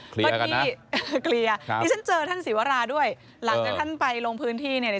คลียากันนะคลียานี่ฉันเจอท่านศิวราด้วยหลังจากท่านไปลงพื้นที่เนี่ย